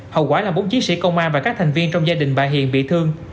hậu quả là bốn chiến sĩ công an và các thành viên trong gia đình bà hiền bị thương